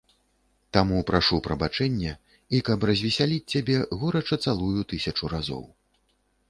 Таму прашу прабачэння і, каб развесяліць цябе, горача цалую тысячу разоў.